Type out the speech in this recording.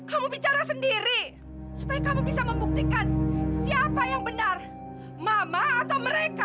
kamu bicara sendiri supaya kamu bisa membuktikan siapa yang benar mama atau mereka